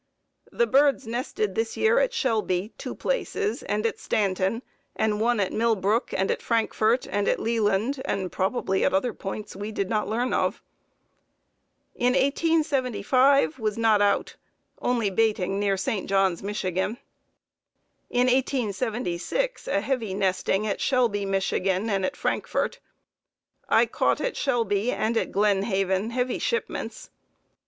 The birds nested this year at Shelby, two places, and at Stanton, and one at Mill Brook and at Frankfort and at Leeland, and probably at other points we did not learn of. In 1875 was not out, only baiting near St. Johns, Mich. In 1876 a heavy nesting at Shelby, Mich., and at Frankfort. I caught at Shelby and at Glen Haven heavy shipments.